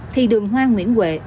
thì đường hoa nguyễn huệ